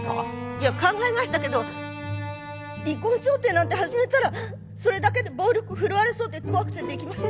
いや考えましたけど離婚調停なんて始めたらそれだけで暴力を振るわれそうで怖くて出来ませんでした。